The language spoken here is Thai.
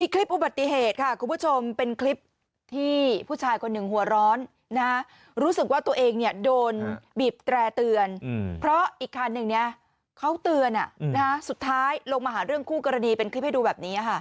คลิปอุบัติเหตุค่ะคุณผู้ชมเป็นคลิปที่ผู้ชายคนหนึ่งหัวร้อนรู้สึกว่าตัวเองโดนบีบแตร่เตือนเพราะอีกคันหนึ่งเขาเตือนสุดท้ายลงมาหาเรื่องคู่กรณีเป็นคลิปให้ดูแบบนี้ค่ะ